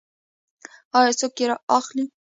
آیا څوک یې اخلي؟